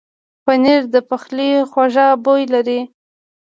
پنېر د پخلي خوږه بویه لري.